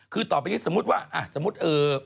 คือต่อไปนี้สมมุติว่าสมมุติ